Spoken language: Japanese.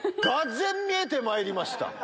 がぜん見えてまいりました。